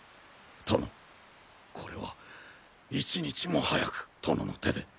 殿これは一日も早く殿の手で。